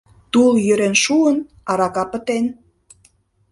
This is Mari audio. Тул йӧрен шуын, арака пытен.